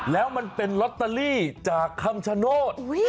แล้วมันเป็นลอตเตอรี่จากคำชโนธ